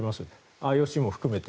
ＩＯＣを含めて。